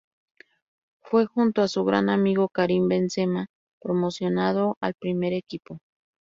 Fue, junto a su gran amigo Karim Benzema, promocionado al Primer Equipo.